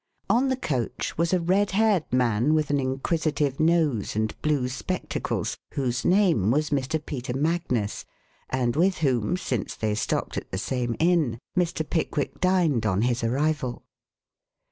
On the coach was a red haired man with an inquisitive nose and blue spectacles, whose name was Mr. Peter Magnus, and with whom (since they stopped at the same inn) Mr. Pickwick dined on his arrival.